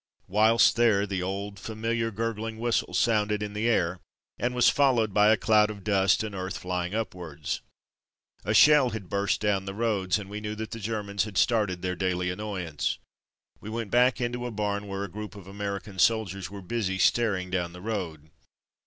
Whilst there, the old familiar gurgling whistle sounded in the, air, and was followed by a cloud of dust and earth flying upwards. A shell had burst down the road, and we knew that the Germans had started their daily annoyance. We went back into a barn where a group of American soldiers were busy staring down the road.